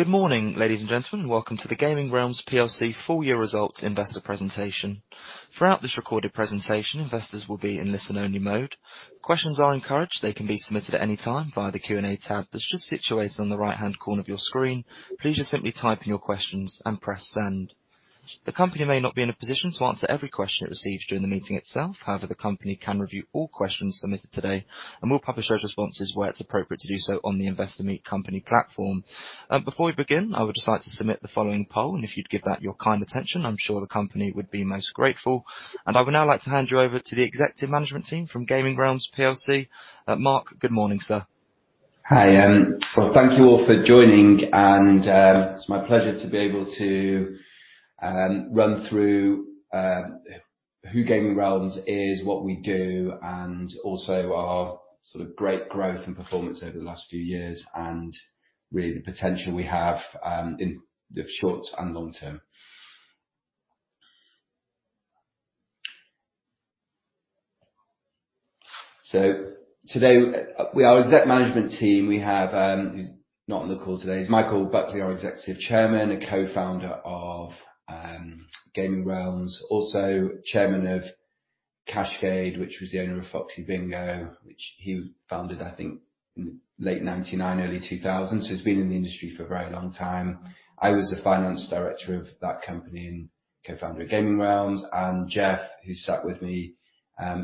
Good morning, ladies and gentlemen. Welcome to the Gaming Realms plc full year results investor presentation. Throughout this recorded presentation, investors will be in listen-only mode. Questions are encouraged. They can be submitted at any time via the Q&A tab that's just situated on the right-hand corner of your screen. Please just simply type in your questions and press Send. The company may not be in a position to answer every question it receives during the meeting itself. However, the company can review all questions submitted today, and we'll publish those responses where it's appropriate to do so on the Investor Meet company platform. Before we begin, I would just like to submit the following poll, and if you'd give that your kind attention, I'm sure the company would be most grateful. I would now like to hand you over to the executive management team from Gaming Realms PLC. Mark, good morning, sir. Hi, well, thank you all for joining and, it's my pleasure to be able to run through who Gaming Realms is, what we do, and also our sort of great growth and performance over the last few years, and really the potential we have in the short and long term. So today, our exec management team, we have, who's not on the call today is Michael Buckley, our Executive Chairman and co-founder of Gaming Realms, also Chairman of Cashcade, which was the owner of Foxy Bingo, which he founded, I think, in late 1999, early 2000. So he's been in the industry for a very long time. I was the finance director of that company and co-founder of Gaming Realms, and Geoff, who's sat with me,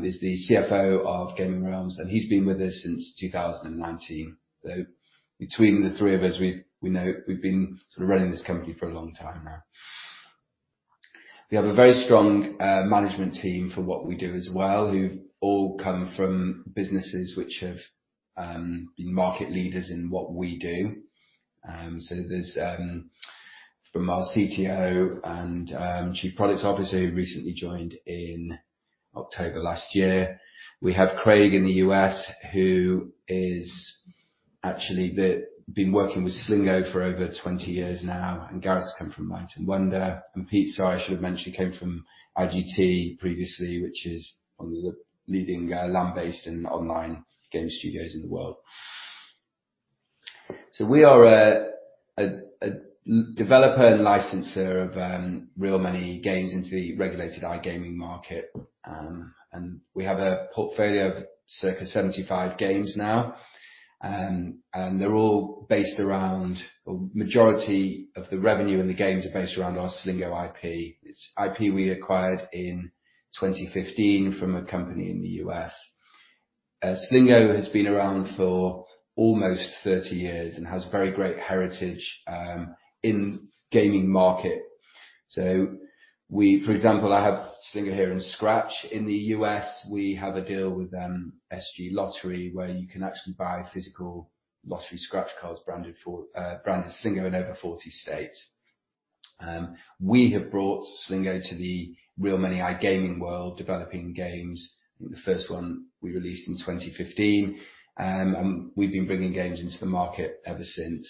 is the CFO of Gaming Realms, and he's been with us since 2019. So between the three of us, we know we've been sort of running this company for a long time now. We have a very strong management team for what we do as well. Who've all come from businesses which have been market leaders in what we do. So, from our CTO and Chief Products Officer, who recently joined in October last year. We have Craig in the U.S., who is actually been working with Slingo for over 20 years now, and Gareth's come from Light & Wonder. And Pete, sorry, I should have mentioned, came from IGT previously, which is one of the leading land-based and online game studios in the world. So we are a developer and licensor of real money games into the regulated iGaming market. And we have a portfolio of circa 75 games now. And they're all based around, or majority of the revenue in the games are based around our Slingo IP. It's IP we acquired in 2015 from a company in the US. Slingo has been around for almost 30 years and has very great heritage in gaming market. So, for example, I have Slingo here and Scratch in the US. We have a deal with SG Lottery, where you can actually buy physical lottery scratch cards branded Slingo in over 40 states. We have brought Slingo to the real money iGaming world, developing games. The first one we released in 2015, and we've been bringing games into the market ever since.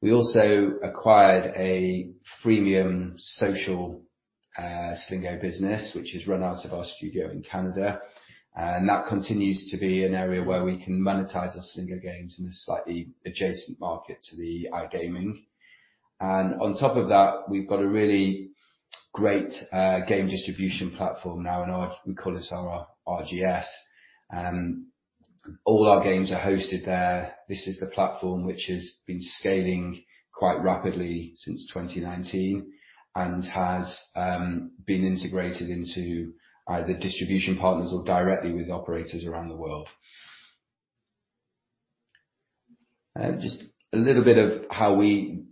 We also acquired a freemium social Slingo business, which is run out of our studio in Canada, and that continues to be an area where we can monetize our Slingo games in a slightly adjacent market to the iGaming. On top of that, we've got a really great game distribution platform now, and we call this our RGS, and all our games are hosted there. This is the platform which has been scaling quite rapidly since 2019 and has been integrated into either distribution partners or directly with operators around the world. Just a little bit of how we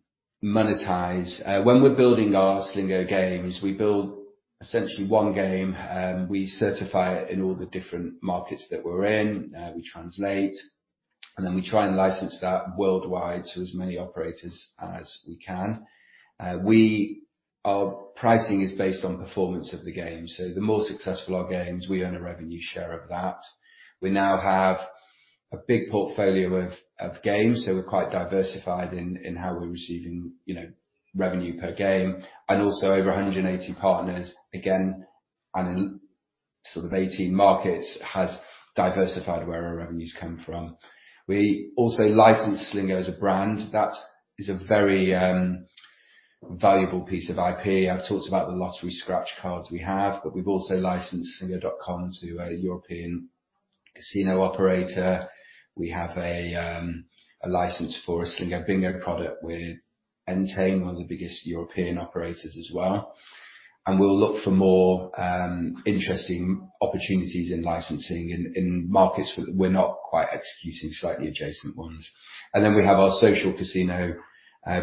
monetize. When we're building our Slingo games, we build essentially one game. We certify it in all the different markets that we're in, we translate, and then we try and license that worldwide to as many operators as we can. Our pricing is based on performance of the game, so the more successful our games, we earn a revenue share of that. We now have a big portfolio of games, so we're quite diversified in how we're receiving, you know, revenue per game and also over 180 partners, again, and sort of 18 markets, has diversified where our revenues come from. We also license Slingo as a brand. That is a very valuable piece of IP. I've talked about the lottery scratch cards we have, but we've also licensed slingo.com to a European casino operator. We have a license for a Slingo bingo product with Entain, one of the biggest European operators as well. And we'll look for more interesting opportunities in licensing in markets where we're not quite executing, slightly adjacent ones. And then we have our social casino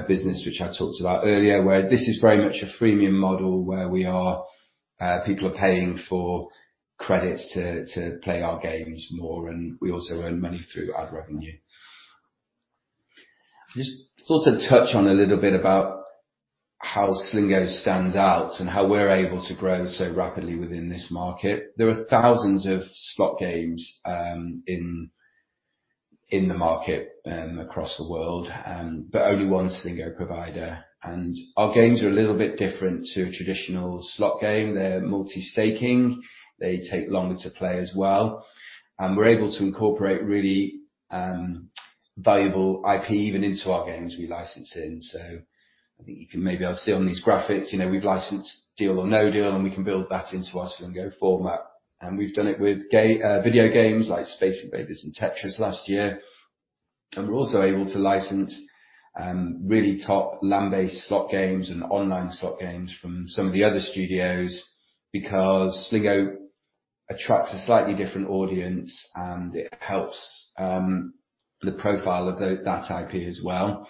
business, which I talked about earlier, where this is very much a freemium model, where we are people are paying for credits to play our games more, and we also earn money through ad revenue. Just also to touch on a little bit about how Slingo stands out and how we're able to grow so rapidly within this market. There are thousands of slot games in the market across the world, but only one Slingo provider. And our games are a little bit different to a traditional slot game. They're multi-staking. They take longer to play as well, and we're able to incorporate really valuable IP even into our games we license in. So I think you can maybe I'll see on these graphics, you know, we've licensed Deal or No Deal, and we can build that into our Slingo format. And we've done it with video games like Space Invaders and Tetris last year. And we're also able to license, really top land-based slot games and online slot games from some of the other studios, because Slingo attracts a slightly different audience, and it helps, the profile of that IP as well.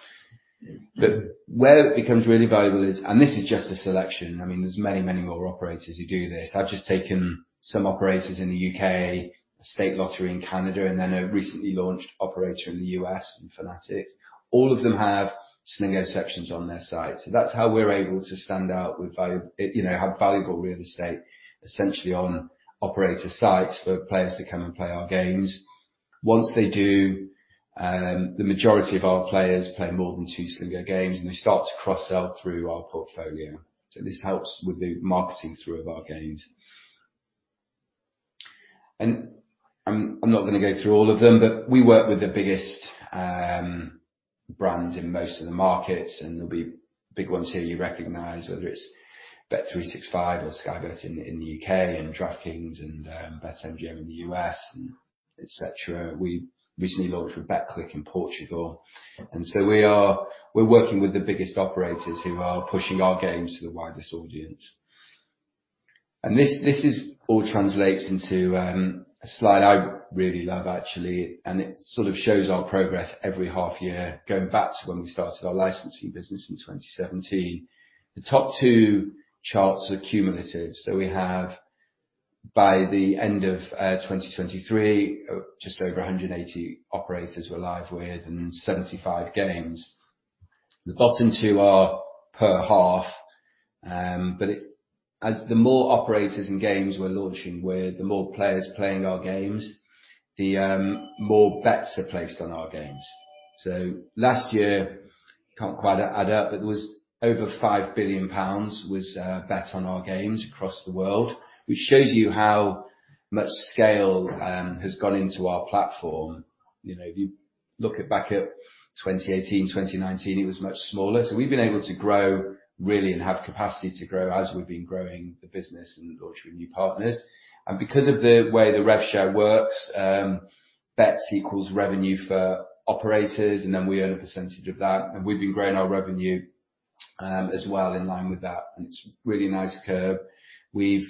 But where it becomes really valuable is... And this is just a selection. I mean, there's many, many more operators who do this. I've just taken some operators in the U.K., State Lottery in Canada, and then a recently launched operator in the U.S., in Fanatics. All of them have Slingo sections on their site. So that's how we're able to stand out with you know have valuable real estate, essentially on operator sites for players to come and play our games. Once they do, the majority of our players play more than two Slingo games, and they start to cross-sell through our portfolio. So this helps with the marketing through of our games. And I'm not going to go through all of them, but we work with the biggest brands in most of the markets, and there'll be big ones here you recognize, whether it's Bet365 or SkyBet in the U.K. and DraftKings and BetMGM in the U.S., and et cetera. We recently launched with Betclic in Portugal, and so we're working with the biggest operators who are pushing our games to the widest audience. And all translates into a slide I really love, actually, and it sort of shows our progress every half year, going back to when we started our licensing business in 2017. The top two charts are cumulative, so we have, by the end of 2023, just over 180 operators we're live with and 75 games. The bottom two are per half, but as the more operators and games we're launching with, the more players playing our games, the more bets are placed on our games. So last year, can't quite add up, but it was over 5 billion pounds bet on our games across the world, which shows you how much scale has gone into our platform. You know, if you look back at 2018, 2019, it was much smaller. So we've been able to grow really and have capacity to grow as we've been growing the business and launching new partners. And because of the way the rev share works, bets equals revenue for operators, and then we earn a percentage of that, and we've been growing our revenue as well in line with that, and it's a really nice curve. We've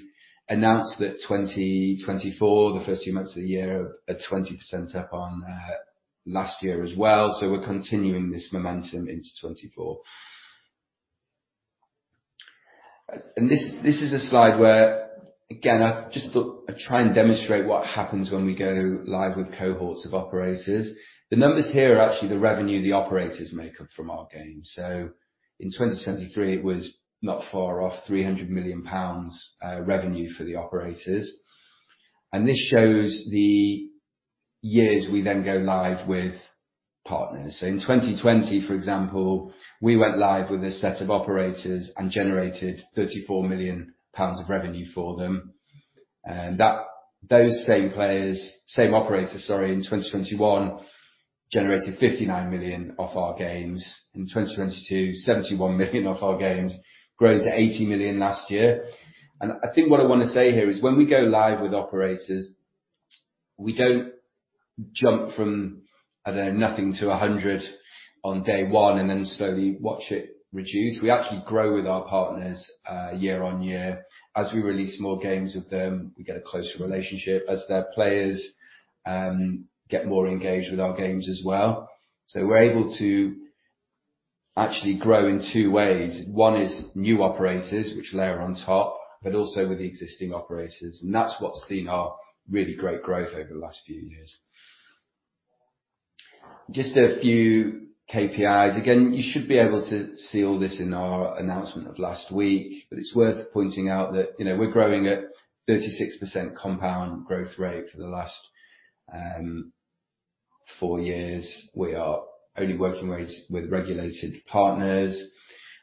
announced that 2024, the first two months of the year, are at 20% up on last year as well. So we're continuing this momentum into 2024. And this is a slide where, again, I've just thought I'd try and demonstrate what happens when we go live with cohorts of operators. The numbers here are actually the revenue the operators make up from our games. So in 2023, it was not far off 300 million pounds, revenue for the operators. And this shows the years we then go live with partners. So in 2020, for example, we went live with a set of operators and generated 34 million pounds of revenue for them. And that, those same players, same operators, sorry, in 2021, generated 59 million off our games. In 2022, 71 million off our games, growing to 80 million last year. And I think what I want to say here is when we go live with operators, we don't jump from, I don't know, nothing to 100 on day one and then slowly watch it reduce. We actually grow with our partners, year on year. As we release more games with them, we get a closer relationship as their players get more engaged with our games as well. So we're able to actually grow in two ways. One is new operators, which layer on top, but also with the existing operators, and that's what's seen our really great growth over the last few years. Just a few KPIs. Again, you should be able to see all this in our announcement of last week, but it's worth pointing out that, you know, we're growing at 36% compound growth rate for the last 4 years. We are only working with regulated partners.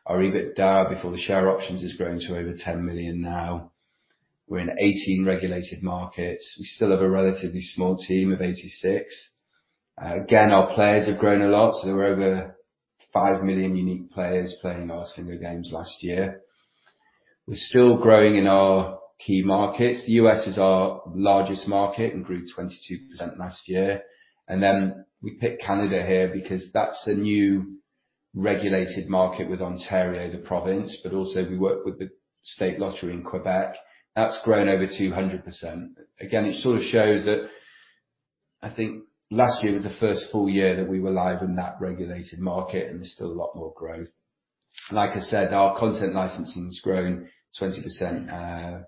Our EBITDA before the share options has grown to over 10 million now. We're in 18 regulated markets. We still have a relatively small team of 86. Again, our players have grown a lot, so there were over 5 million unique players playing our Slingo games last year. We're still growing in our key markets. The U.S. is our largest market and grew 22% last year. And then we picked Canada here because that's a new regulated market with Ontario, the province, but also we work with the State Lottery in Quebec. That's grown over 200%. Again, it sort of shows that... I think last year was the first full year that we were live in that regulated market, and there's still a lot more growth. Like I said, our content licensing has grown 20%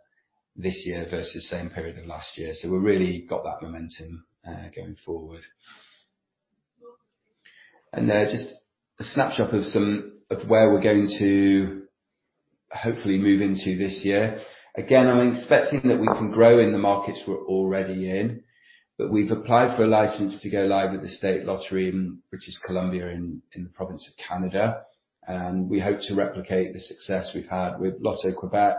this year versus the same period of last year. So we've really got that momentum, going forward. And, just a snapshot of some of where we're going to hopefully move into this year. Again, I'm expecting that we can grow in the markets we're already in, but we've applied for a license to go live with the State Lottery in British Columbia, and we hope to replicate the success we've had with Loto-Québec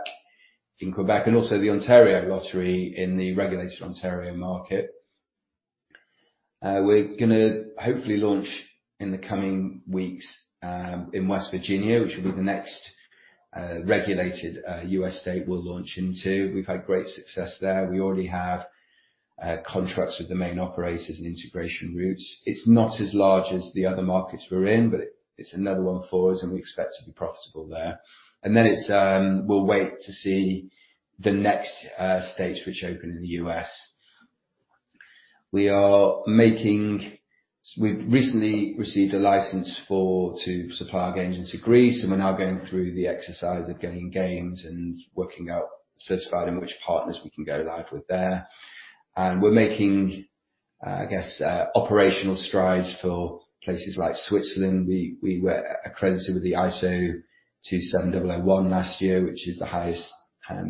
in Quebec and also the Ontario Lottery in the regulated Ontario market. We're going to hopefully launch in the coming weeks in West Virginia, which will be the next regulated US state we'll launch into. We've had great success there. We already have contracts with the main operators and integration routes. It's not as large as the other markets we're in, but it's another one for us, and we expect to be profitable there. And then it's, we'll wait to see the next states which open in the US. We've recently received a license to supply our games into Greece, and we're now going through the exercise of getting games and working out, certifying which partners we can go live with there. We're making operational strides for places like Switzerland. We were accredited with the ISO 27001 last year, which is the highest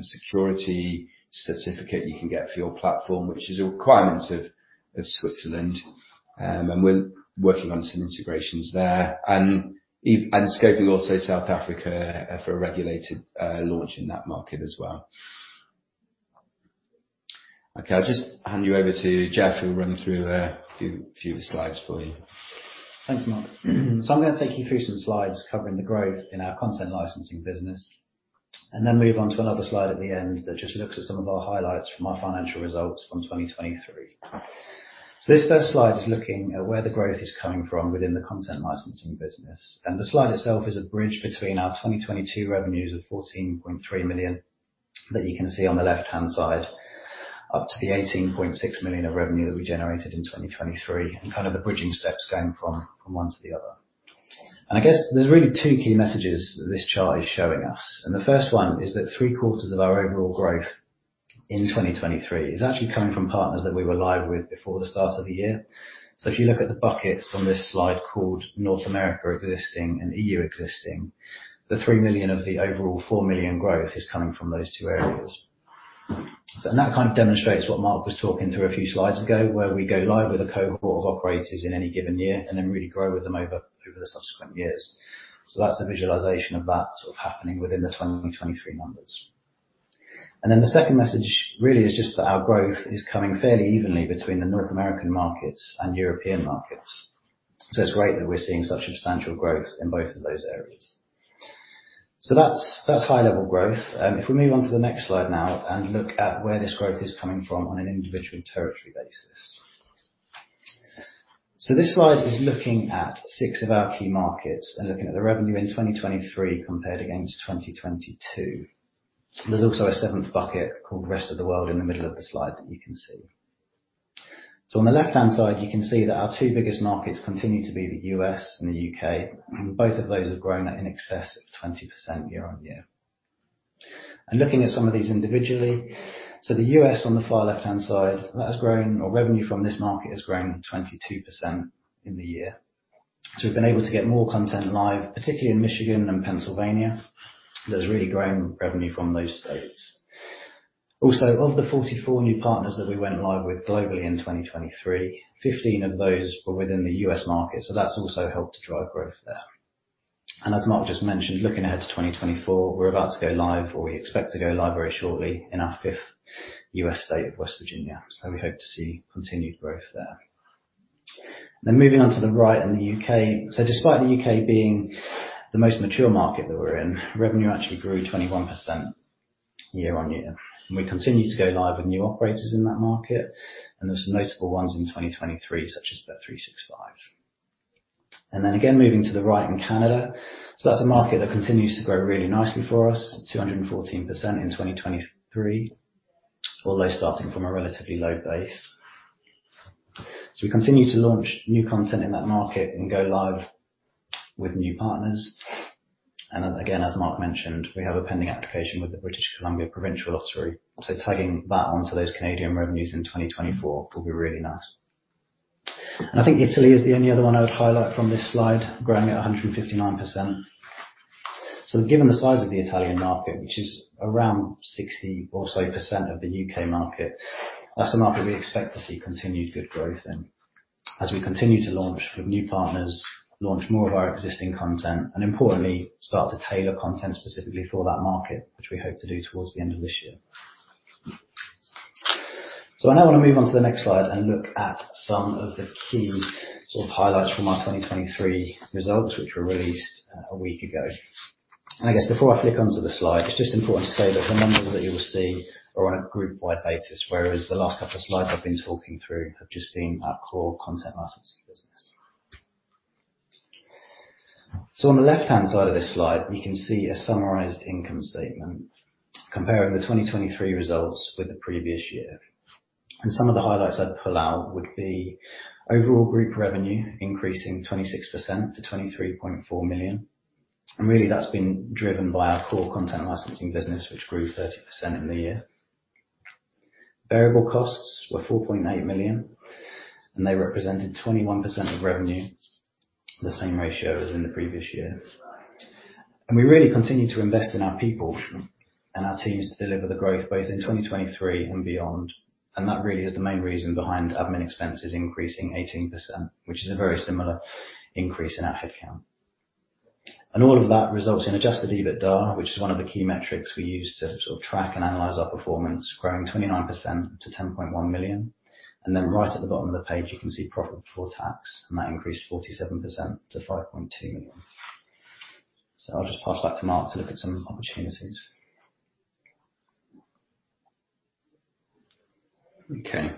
security certificate you can get for your platform, which is a requirement of Switzerland. And we're working on some integrations there and scoping also South Africa for a regulated launch in that market as well. Okay, I'll just hand you over to Geoff, who'll run through a few slides for you. Thanks, Mark. I'm going to take you through some slides covering the growth in our content licensing business, and then move on to another slide at the end, that just looks at some of our highlights from our financial results from 2023. This first slide is looking at where the growth is coming from within the content licensing business. The slide itself is a bridge between our 2022 revenues of 14.3 million, that you can see on the left-hand side, up to the 18.6 million of revenue that we generated in 2023, and kind of the bridging steps going from one to the other. And I guess there's really two key messages this chart is showing us, and the first one is that three-quarters of our overall growth in 2023 is actually coming from partners that we were live with before the start of the year. So if you look at the buckets on this slide, called North America Existing and EU Existing, the 3 million of the overall 4 million growth is coming from those two areas. So and that kind of demonstrates what Mark was talking through a few slides ago, where we go live with a cohort of operators in any given year and then really grow with them over the subsequent years. So that's a visualization of that sort of happening within the 2023 numbers. And then the second message, really, is just that our growth is coming fairly evenly between the North American markets and European markets. So it's great that we're seeing such substantial growth in both of those areas. So that's, that's high-level growth. If we move on to the next slide now and look at where this growth is coming from on an individual territory basis. So this slide is looking at six of our key markets and looking at the revenue in 2023 compared again to 2022. There's also a seventh bucket, called Rest of the World, in the middle of the slide that you can see. So on the left-hand side, you can see that our two biggest markets continue to be the U.S. and the U.K. Both of those have grown at an excess of 20% year-on-year. Looking at some of these individually, so the U.S., on the far left-hand side, that has grown, or revenue from this market, has grown 22% in the year. So we've been able to get more content live, particularly in Michigan and Pennsylvania. There's really grown revenue from those states. Also, of the 44 new partners that we went live with globally in 2023, 15 of those were within the U.S. market, so that's also helped to drive growth there. And as Mark just mentioned, looking ahead to 2024, we're about to go live, or we expect to go live very shortly, in our fifth U.S. state of West Virginia, so we hope to see continued growth there. Then moving on to the right, in the U.K. So despite the U.K. being the most mature market that we're in, revenue actually grew 21% year-over-year. We continue to go live with new operators in that market, and there's some notable ones in 2023, such as Bet365. Then again, moving to the right in Canada. That's a market that continues to grow really nicely for us, 214% in 2023, although starting from a relatively low base. We continue to launch new content in that market and go live with new partners. Again, as Mark mentioned, we have a pending application with the British Columbia Provincial Lottery, so tagging that onto those Canadian revenues in 2024 will be really nice. I think Italy is the only other one I would highlight from this slide, growing at 159%. So given the size of the Italian market, which is around 60% or so of the UK market, that's a market we expect to see continued good growth in. As we continue to launch with new partners, launch more of our existing content, and importantly, start to tailor content specifically for that market, which we hope to do towards the end of this year. So I now want to move on to the next slide and look at some of the key sort of highlights from our 2023 results, which were released a week ago. And I guess before I click onto the slide, it's just important to say that the numbers that you will see are on a group-wide basis, whereas the last couple of slides I've been talking through have just been our core content licensing business. So on the left-hand side of this slide, we can see a summarized income statement comparing the 2023 results with the previous year. Some of the highlights I'd pull out would be overall group revenue increasing 26% to 23.4 million, and really, that's been driven by our core content licensing business, which grew 30% in the year. Variable costs were 4.8 million, and they represented 21% of revenue, the same ratio as in the previous year. We really continued to invest in our people and our teams to deliver the growth both in 2023 and beyond. That really is the main reason behind admin expenses increasing 18%, which is a very similar increase in our head count. All of that results in adjusted EBITDA, which is one of the key metrics we use to sort of track and analyze our performance, growing 29% to 10.1 million. Then right at the bottom of the page, you can see profit before tax, and that increased 47% to 5.2 million. I'll just pass back to Mark to look at some opportunities. Okay.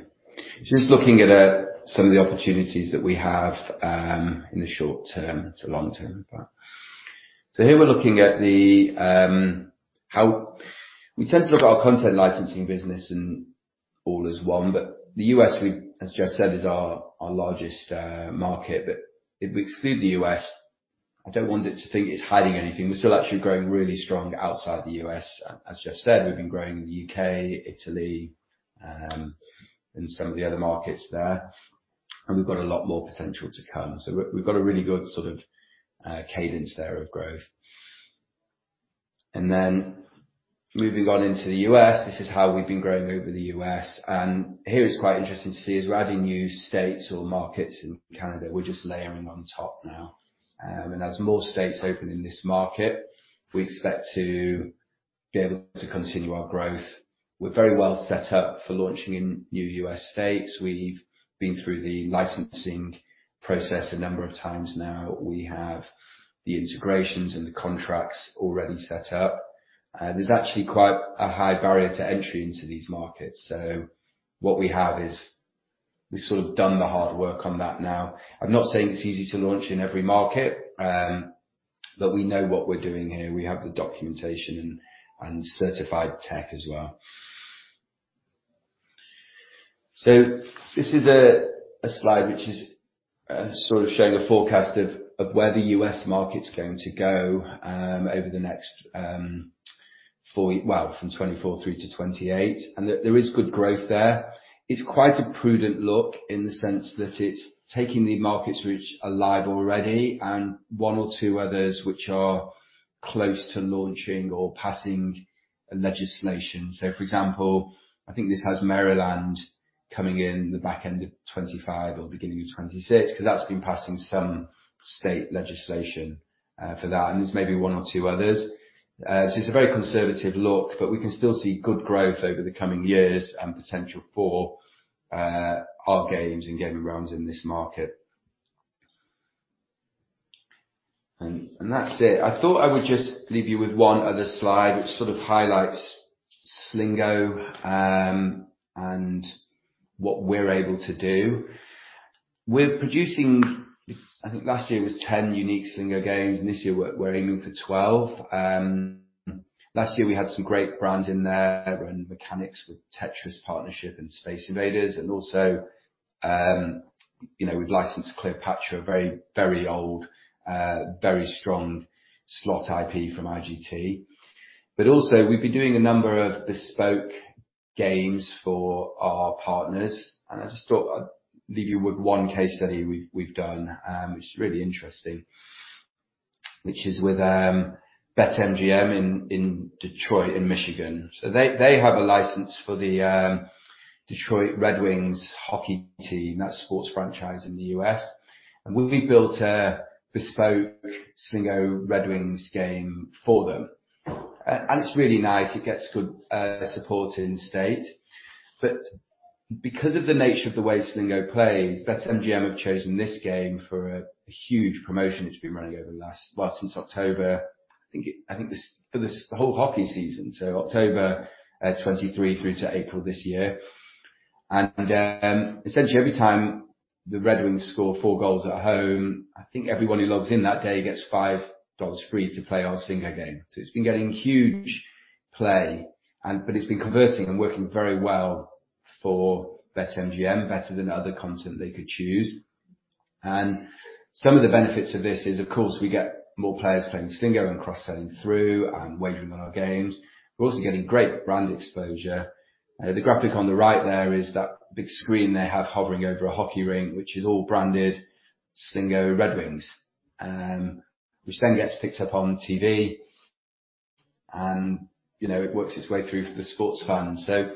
Just looking at some of the opportunities that we have in the short term to long term, in fact. So here we're looking at the how we tend to look at our content licensing business and all as one, but the U.S., as Jeff said, is our largest market. But if we exclude the U.S., I don't want it to think it's hiding anything. We're still actually growing really strong outside the U.S. As Jeff said, we've been growing in the U.K., Italy, and some of the other markets there, and we've got a lot more potential to come. So we've got a really good sort of cadence there of growth. Then moving on into the U.S., this is how we've been growing over the U.S., and here it's quite interesting to see as we're adding new states or markets in Canada, we're just layering on top now. And as more states open in this market, we expect to be able to continue our growth. We're very well set up for launching in new U.S. states. We've been through the licensing process a number of times now. We have the integrations and the contracts already set up. There's actually quite a high barrier to entry into these markets. So what we have is we've sort of done the hard work on that now. I'm not saying it's easy to launch in every market, but we know what we're doing here. We have the documentation and certified tech as well. So this is a slide which is sort of showing a forecast of where the U.S. market's going to go over the next four years. Well, from 2024 through to 2028, and there is good growth there. It's quite a prudent look in the sense that it's taking the markets which are live already and one or two others which are close to launching or passing legislation. So for example, I think this has Maryland coming in the back end of 2025 or beginning of 2026, because that's been passing some state legislation for that, and there's maybe one or two others. So it's a very conservative look, but we can still see good growth over the coming years and potential for our games and gaming rounds in this market. And that's it. I thought I would just leave you with one other slide, which sort of highlights Slingo, and what we're able to do. We're producing, I think last year was 10 unique Slingo games, and this year we're aiming for 12. Last year we had some great brands in there, running mechanics with Tetris partnership and Space Invaders, and also, you know, we've licensed Cleopatra, a very, very old, very strong slot IP from IGT. But also, we've been doing a number of bespoke games for our partners, and I just thought I'd leave you with one case study we've done, which is really interesting, which is with BetMGM in Detroit, in Michigan. So they have a license for the Detroit Red Wings hockey team. That's a sports franchise in the U.S. We've built a bespoke Slingo Red Wings game for them. And it's really nice. It gets good support in state, but because of the nature of the way Slingo plays, BetMGM have chosen this game for a huge promotion it's been running over the last well, since October. I think this for this whole hockey season, so October 2023 through to April this year. And essentially every time the Red Wings score 4 goals at home, I think everyone who logs in that day gets $5 free to play our Slingo game. So it's been getting huge play and but it's been converting and working very well for BetMGM, better than other content they could choose. And some of the benefits of this is, of course, we get more players playing Slingo and cross-selling through and wagering on our games. We're also getting great brand exposure. The graphic on the right there is that big screen they have hovering over a hockey rink, which is all branded Slingo Red Wings, which then gets picked up on TV, and, you know, it works its way through for the sports fans. So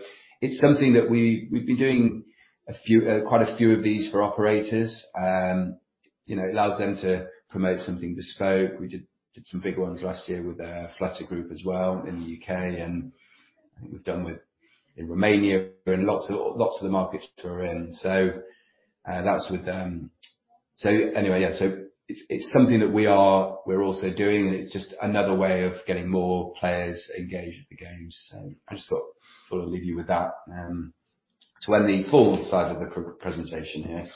it's something that we've been doing a few, quite a few of these for operators. You know, it allows them to promote something bespoke. We did some big ones last year with Flutter Group as well in the UK, and I think we've done with in Romania, and lots of the markets we're in. So that's with. So anyway, yeah, so it's something that we're also doing, and it's just another way of getting more players engaged with the games. So I just thought I'll leave you with that, to end the forward side of the presentation here.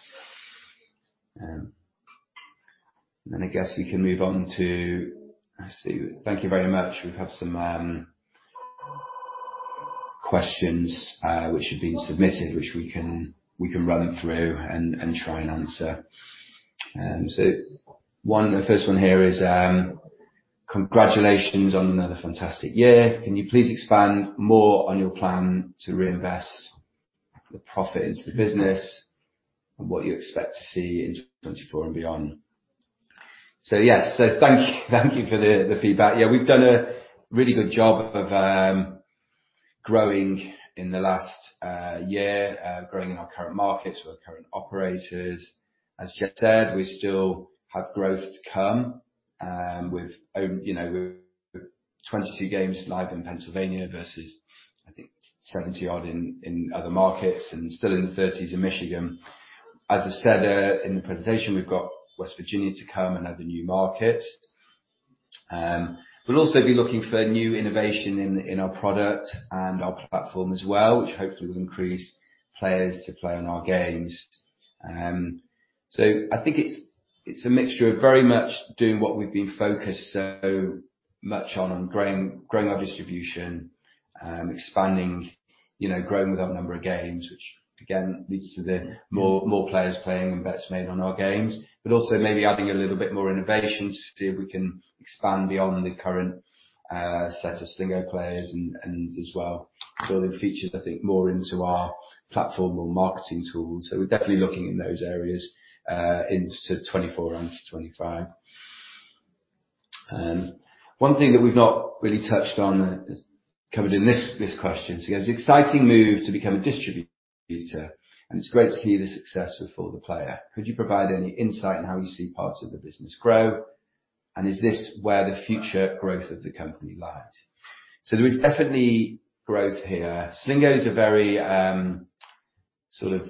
Then I guess we can move on to... I see. Thank you very much. We've had some questions, which have been submitted, which we can run through and try and answer. So one, the first one here is: Congratulations on another fantastic year. Can you please expand more on your plan to reinvest the profit into the business and what you expect to see in 2024 and beyond? So, yes. So thank you. Thank you for the feedback. Yeah, we've done a really good job of growing in the last year, growing in our current markets, with our current operators. As Jeff said, we still have growth to come, with, you know, with 22 games live in Pennsylvania versus, I think, 70-odd in other markets, and still in the 30s in Michigan. As I said, in the presentation, we've got West Virginia to come, another new market. We'll also be looking for new innovation in our product and our platform as well, which hopefully will increase players to play on our games. So I think it's a mixture of very much doing what we've been focused so much on, on growing our distribution and expanding, you know, growing with our number of games, which, again, leads to more players playing and bets made on our games. But also maybe adding a little bit more innovation to see if we can expand beyond the current set of Slingo players, and, and as well, building features, I think, more into our platform or marketing tools. So we're definitely looking in those areas into 2024 and into 2025. One thing that we've not really touched on is covered in this question. "So it's an exciting move to become a distributor, and it's great to see the success of For the Player. Could you provide any insight on how you see parts of the business grow? And is this where the future growth of the company lies?" So there is definitely growth here. Slingo is a very sort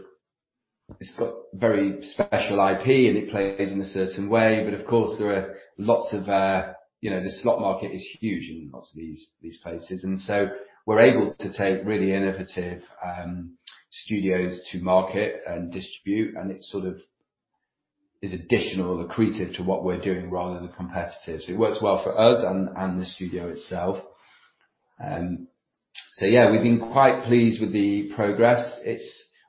of—it's got very special IP, and it plays in a certain way. But of course, there are lots of, you know, the slot market is huge in lots of these, these places. And so we're able to take really innovative studios to market and distribute, and it sort of is additional accretive to what we're doing rather than competitive. So it works well for us and the studio itself. So yeah, we've been quite pleased with the progress. It's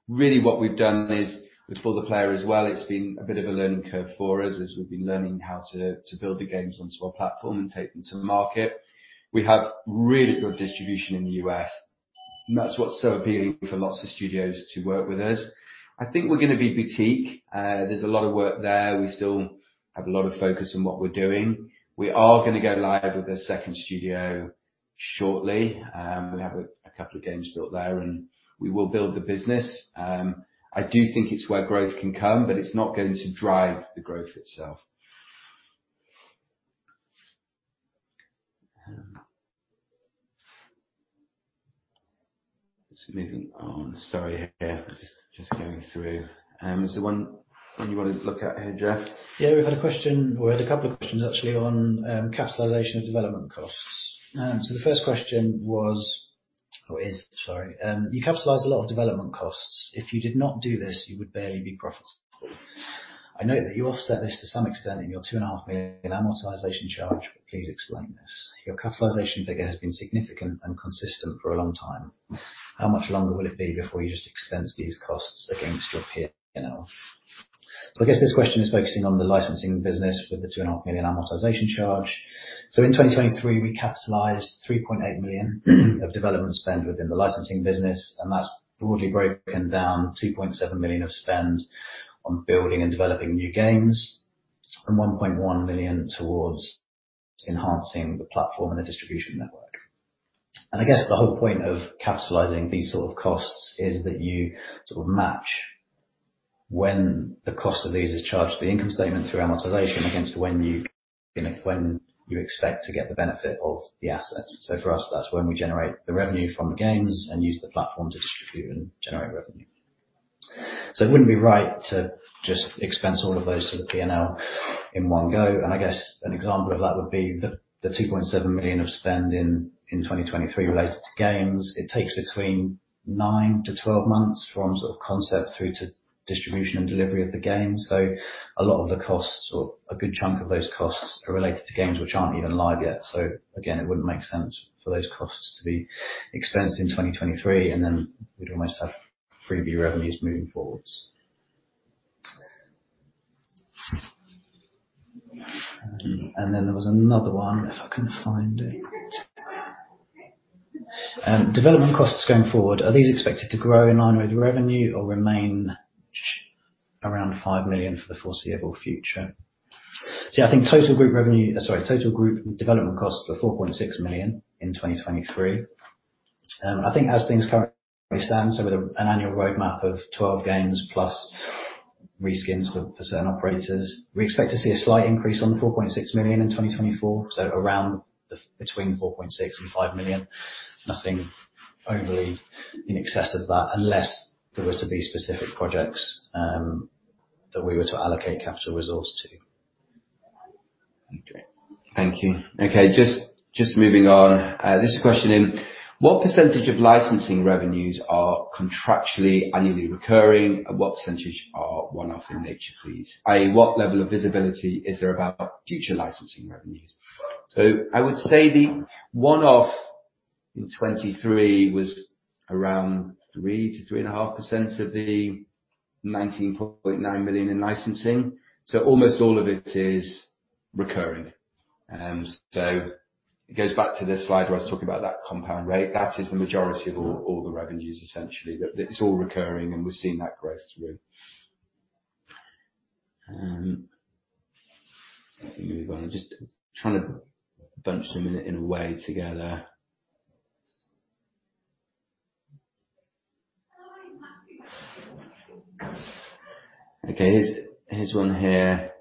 really, what we've done is, with For the Player as well, it's been a bit of a learning curve for us as we've been learning how to build the games onto our platform and take them to market. We have really good distribution in the U.S., and that's what's so appealing for lots of studios to work with us. I think we're going to be boutique. There's a lot of work there. We still have a lot of focus on what we're doing. We are going to go live with a second studio shortly. We have a couple of games built there, and we will build the business. I do think it's where growth can come, but it's not going to drive the growth itself. So moving on. Sorry, here, just going through. Is there one you wanted to look at here, Geoff? Yeah, we've had a question, or we had a couple of questions actually on capitalization of development costs. So the first question was or is, sorry: You capitalize a lot of development costs. If you did not do this, you would barely be profitable. I know that you offset this to some extent in your 2.5 million amortization charge, but please explain this. Your capitalization figure has been significant and consistent for a long time. How much longer will it be before you just expense these costs against your PL? I guess this question is focusing on the licensing business with the 2.5 million amortization charge. So in 2023, we capitalized 3.8 million of development spend within the licensing business, and that's broadly broken down 2.7 million of spend on building and developing new games and 1.1 million towards enhancing the platform and the distribution network. I guess the whole point of capitalizing these sort of costs is that you sort of match when the cost of these is charged to the income statement through amortization against when you, when you expect to get the benefit of the assets. For us, that's when we generate the revenue from the games and use the platform to distribute and generate revenue. It wouldn't be right to just expense all of those to the P&L in one go. And I guess an example of that would be the 2.7 million of spend in 2023 related to games. It takes between 9-12 months from sort of concept through to distribution and delivery of the game. So a lot of the costs or a good chunk of those costs are related to games which aren't even live yet. So again, it wouldn't make sense for those costs to be expensed in 2023, and then we'd almost have preview revenues moving forwards. And then there was another one, if I can find it. Development costs going forward, are these expected to grow in line with your revenue or remain around 5 million for the foreseeable future? See, I think total group revenue. Sorry, total group development costs were 4.6 million in 2023. I think as things currently stand, so with an annual roadmap of 12 games plus reskins with certain operators, we expect to see a slight increase on the 4.6 million in 2024, so around the, between 4.6 million and 5 million. Nothing overly in excess of that, unless there were to be specific projects, that we were to allocate capital resource to. Okay. Thank you. Okay, just, just moving on. This question in: What percentage of licensing revenues are contractually, annually recurring? And what percentage are one-off in nature, please? i.e., what level of visibility is there about future licensing revenues? So I would say the one-off in 2023 was around 3%-3.5% of the 19.9 million in licensing, so almost all of it is recurring. So it goes back to the slide where I was talking about that compound rate. That is the majority of all, all the revenues, essentially. That. It's all recurring, and we're seeing that growth through.... move on. I'm just trying to bunch them in a way together. Okay, here's one here.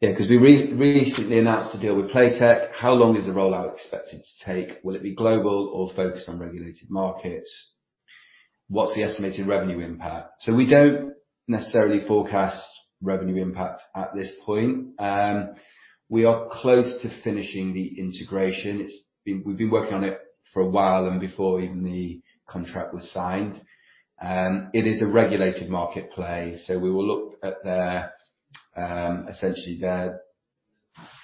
Yeah, 'cause we recently announced a deal with Playtech. How long is the rollout expected to take? Will it be global or focused on regulated markets? What's the estimated revenue impact? So we don't necessarily forecast revenue impact at this point. We are close to finishing the integration. It's been. We've been working on it for a while, and before even the contract was signed. It is a regulated market play, so we will look at their, essentially, their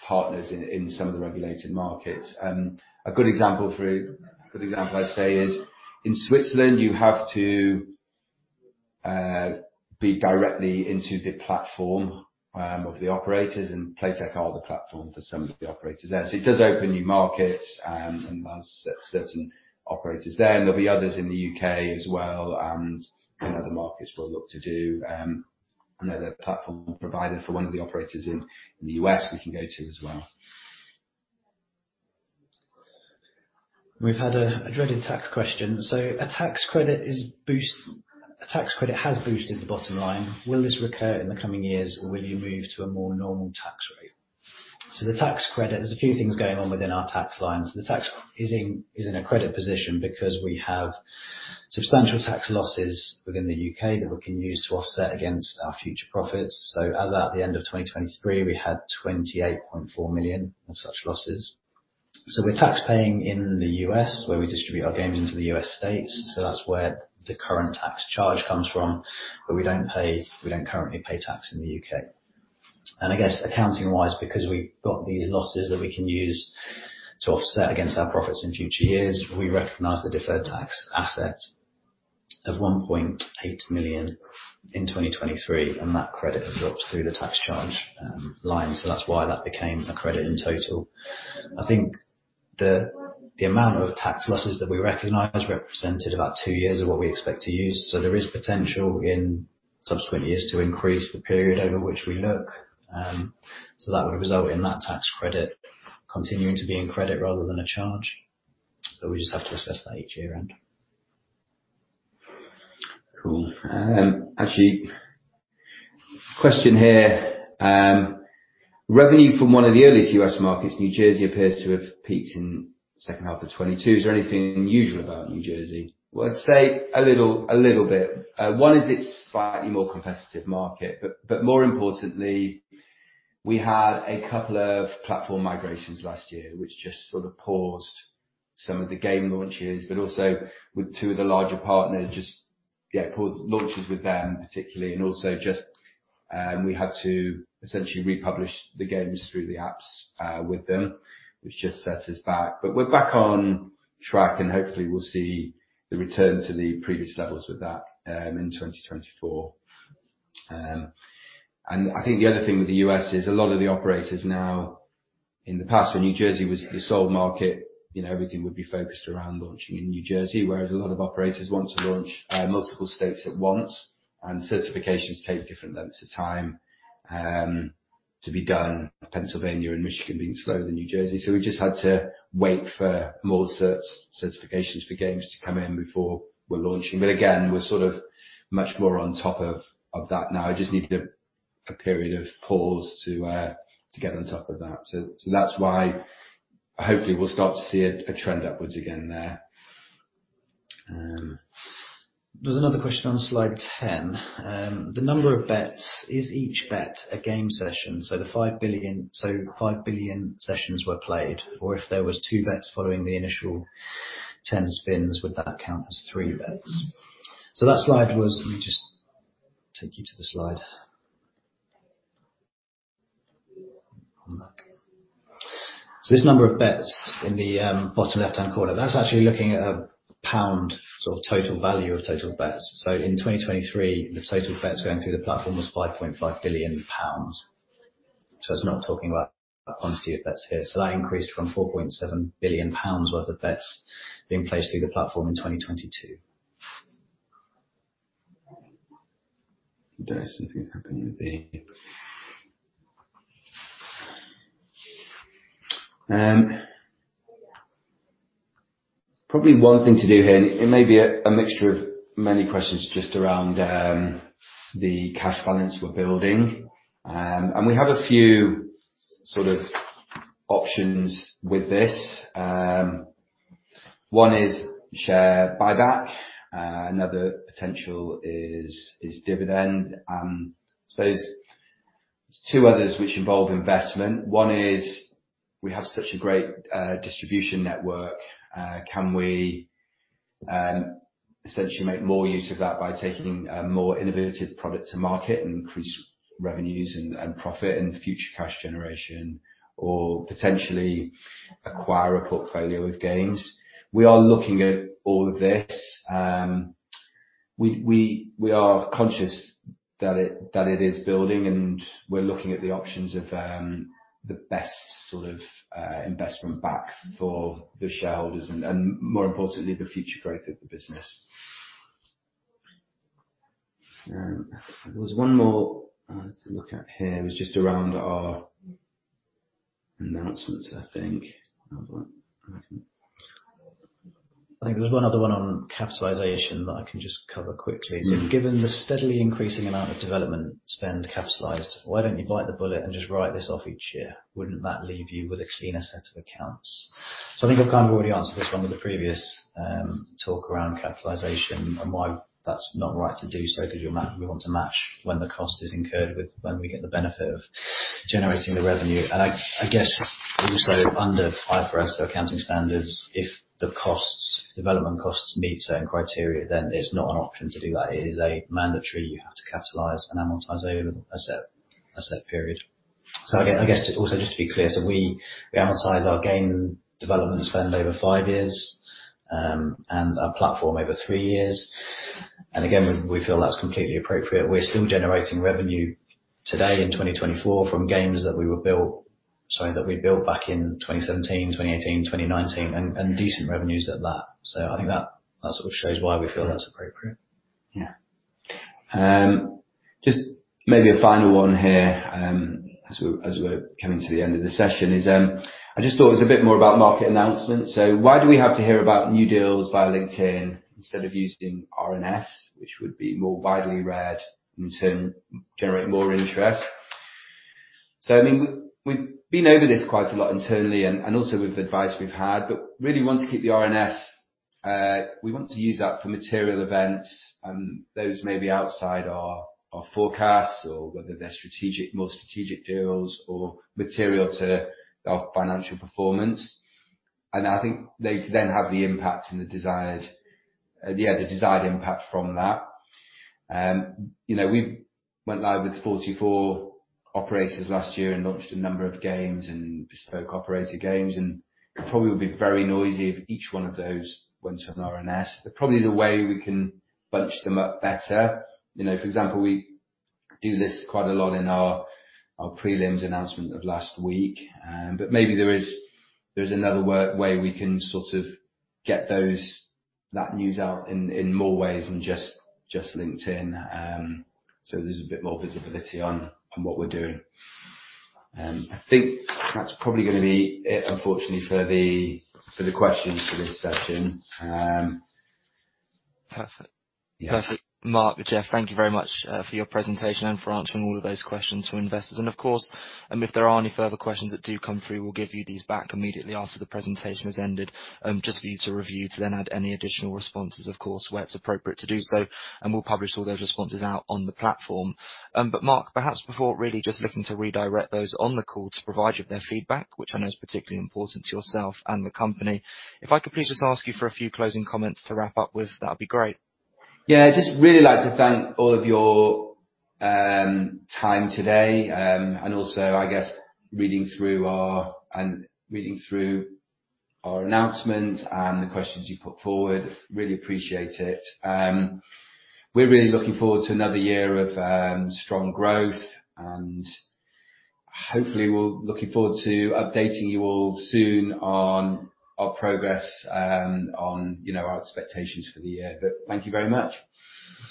partners in some of the regulated markets. A good example, I'd say, is in Switzerland, you have to be directly into the platform of the operators, and Playtech are the platform for some of the operators there. So it does open new markets, and there are certain operators there, and there'll be others in the U.K. as well, and other markets we'll look to do. Another platform provider for one of the operators in the US, we can go to as well. We've had a dreaded tax question. A tax credit has boosted the bottom line. Will this recur in the coming years, or will you move to a more normal tax rate? So the tax credit, there's a few things going on within our tax lines. The tax is in a credit position because we have substantial tax losses within the U.K. that we can use to offset against our future profits. So as at the end of 2023, we had 28.4 million of such losses. So we're tax-paying in the U.S., where we distribute our games into the U.S. states, so that's where the current tax charge comes from. But we don't currently pay tax in the U.K. I guess accounting-wise, because we've got these losses that we can use to offset against our profits in future years, we recognize the deferred tax asset of 1.8 million in 2023, and that credit drops through the tax charge line. So that's why that became a credit in total. I think the amount of tax losses that we recognized represented about two years of what we expect to use, so there is potential in subsequent years to increase the period over which we look. So that would result in that tax credit continuing to be in credit rather than a charge, but we just have to assess that each year end. Cool. Actually, question here, revenue from one of the earliest U.S. markets, New Jersey, appears to have peaked in second half of 2022. Is there anything unusual about New Jersey? Well, I'd say a little, a little bit. One, is it's a slightly more competitive market, but, but more importantly, we had a couple of platform migrations last year, which just sort of paused some of the game launches, but also with two of the larger partners, just, yeah, paused launches with them particularly, and also just, we had to essentially republish the games through the apps, with them, which just set us back. But we're back on track, and hopefully, we'll see the return to the previous levels with that, in 2024. And I think the other thing with the U.S. is a lot of the operators now... In the past, when New Jersey was the sole market, you know, everything would be focused around launching in New Jersey, whereas a lot of operators want to launch multiple states at once, and certifications take different lengths of time to be done. Pennsylvania and Michigan being slower than New Jersey, so we just had to wait for more certifications for games to come in before we're launching. But again, we're sort of much more on top of that now. I just needed a period of pause to get on top of that. So that's why hopefully we'll start to see a trend upwards again there. There's another question on slide 10. The number of bets, is each bet a game session? So 5 billion sessions were played, or if there was two bets following the initial 10 spins, would that count as three bets? So that slide was... Let me just take you to the slide. On that. So this number of bets in the bottom left-hand corner, that's actually looking at a pound, so total value of total bets. So in 2023, the total bets going through the platform was 5.5 billion pounds. So it's not talking about quantity of bets here. So that increased from 4.7 billion pounds worth of bets being placed through the platform in 2022. Probably one thing to do here, and it may be a mixture of many questions just around the cash balance we're building, and we have a few sort of options with this. One is share buyback, another potential is dividend. Suppose there's two others which involve investment. One is, we have such a great distribution network, can we essentially make more use of that by taking a more innovative product to market and increase revenues and profit and future cash generation, or potentially acquire a portfolio of games? We are looking at all of this. We are conscious that it is building, and we're looking at the options of the best sort of investment bank for the shareholders and, more importantly, the future growth of the business... There was one more, let's look at here. It was just around our announcement, I think. Hold on. I can- I think there was one other one on capitalization that I can just cover quickly. So given the steadily increasing amount of development spend capitalized, why don't you bite the bullet and just write this off each year? Wouldn't that leave you with a cleaner set of accounts? So I think I've kind of already answered this one with the previous talk around capitalization and why that's not right to do so, because we want to match when the cost is incurred with when we get the benefit of generating the revenue. And I guess also under IFRS accounting standards, if the costs, development costs meet certain criteria, then it's not an option to do that. It is a mandatory, you have to capitalize and amortize over a set period. So I guess also, just to be clear, so we amortize our game development spend over five years and our platform over three years. And again, we feel that's completely appropriate. We're still generating revenue today in 2024 from games that we built back in 2017, 2018, 2019, and decent revenues at that. So I think that sort of shows why we feel that's appropriate. Yeah. Just maybe a final one here, as we're coming to the end of the session, I just thought it was a bit more about market announcements. So why do we have to hear about new deals via LinkedIn instead of using RNS, which would be more widely read and in turn generate more interest? So, I mean, we've been over this quite a lot internally and also with the advice we've had, but we really want to keep the RNS. We want to use that for material events, and those may be outside our forecasts or whether they're strategic, more strategic deals or material to our financial performance. And I think they then have the impact and the desired impact from that. You know, we went live with 44 operators last year and launched a number of games and bespoke operator games, and it probably would be very noisy if each one of those went on RNS. But probably the way we can bunch them up better, you know, for example, we do this quite a lot in our prelims announcement of last week, but maybe there is another way we can sort of get that news out in more ways than just LinkedIn. So there's a bit more visibility on what we're doing. I think that's probably going to be it, unfortunately, for the questions for this session. Perfect. Yeah. Perfect. Mark, Jeff, thank you very much for your presentation and for answering all of those questions from investors. And of course, if there are any further questions that do come through, we'll give you these back immediately after the presentation has ended, just for you to review, to then add any additional responses, of course, where it's appropriate to do so, and we'll publish all those responses out on the platform. But Mark, perhaps before really just looking to redirect those on the call to provide you with their feedback, which I know is particularly important to yourself and the company, if I could please just ask you for a few closing comments to wrap up with, that'd be great. Yeah, I'd just really like to thank all of your time today, and also, I guess, reading through our announcement and the questions you put forward. Really appreciate it. We're really looking forward to another year of strong growth, and hopefully, we're looking forward to updating you all soon on our progress, on, you know, our expectations for the year. But thank you very much.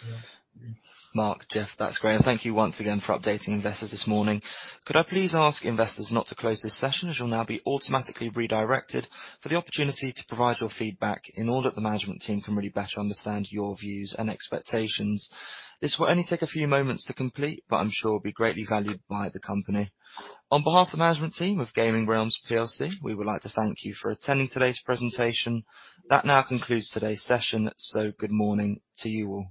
Thank you. Mark, Jeff, that's great, and thank you once again for updating investors this morning. Could I please ask investors not to close this session, as you'll now be automatically redirected for the opportunity to provide your feedback in order that the management team can really better understand your views and expectations. This will only take a few moments to complete, but I'm sure will be greatly valued by the company. On behalf of the management team of Gaming Realms plc, we would like to thank you for attending today's presentation. That now concludes today's session, so good morning to you all.